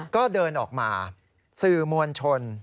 ก็เดินออกมาสื่อมวลชน